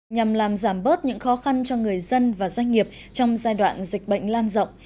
nhằm làm giảm bớt những khó khăn cho người dân và doanh nghiệp trong giai đoạn dịch bệnh lan rộng